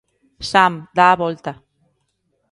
Sam, dá a volta.